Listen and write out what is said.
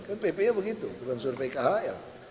kan pp nya begitu bukan survei khl